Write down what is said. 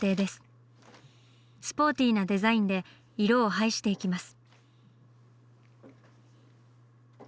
スポーティーなデザインで色を配していきます。